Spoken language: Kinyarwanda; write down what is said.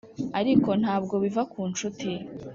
ariko ntabwo biva ku nshuti